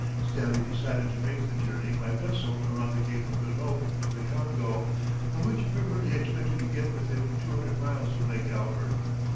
Stanley decided to make the journey by vessel around the Cape of Good Hope to the Congo, by which river he expected to get within 200 miles of Lake Albert.